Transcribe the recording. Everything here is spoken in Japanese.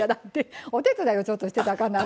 お手伝いをちょっとしていただかな。